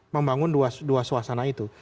membangun dua suasana itu